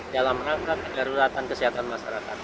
dalam rangka kedaruratan kesehatan masyarakat